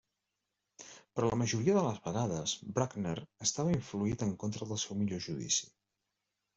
Però la majoria de les vegades, Bruckner estava influït en contra del seu millor judici.